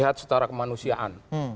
sehat secara kemanusiaan